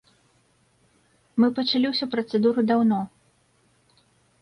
Мы пачалі ўсю працэдуру даўно.